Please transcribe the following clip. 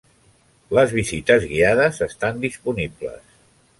Les visites guiades estan disponibles.